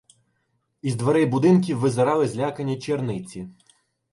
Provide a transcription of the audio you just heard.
Із дверей будинків визирали злякані черниці.